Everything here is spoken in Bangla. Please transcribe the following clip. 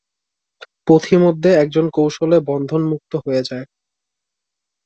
পথিমধ্যে একজন কৌশলে বন্ধনমুক্ত হয়ে যায়।